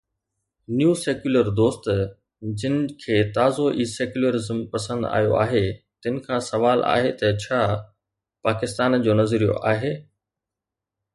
”نيو secular دوست“ جن کي تازو ئي سيڪيولرزم پسند آيو آهي، تن کان سوال آهي ته ڇا پاڪستان جو نظريو آهي؟